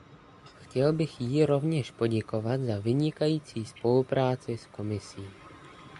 Chtěl bych jí rovněž poděkovat za vynikající spolupráci s Komisí.